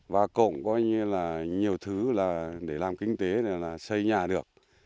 và cộng nhiều thứ để làm kinh tế là xây nhà được